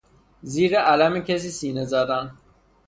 زیر علم کسی سینه زدن